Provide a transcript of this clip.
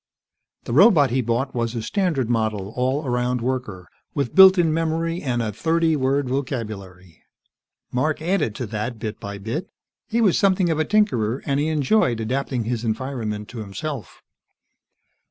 The robot he bought was a standard model all around worker, with built in memory and a thirty word vocabulary. Mark added to that, bit by bit. He was something of a tinkerer, and he enjoyed adapting his environment to himself.